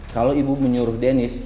kalau ibu menyuruh denis